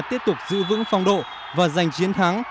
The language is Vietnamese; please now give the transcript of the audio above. tiếp tục giữ vững phong độ và giành chiến thắng